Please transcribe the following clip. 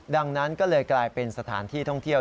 ดังนั้นก็เลยกลายเป็นสถานที่ท่องเที่ยว